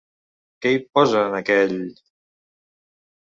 Què hi posa en aquell...?